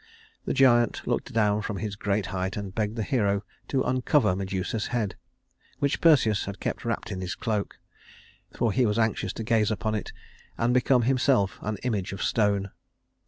The giant looked down from his great height and begged the hero to uncover Medusa's head, which Perseus had kept wrapped in his cloak, for he was anxious to gaze upon it and become himself an image of stone.